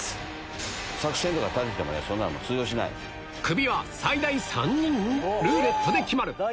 クビは最大３人⁉ルーレットで決まる！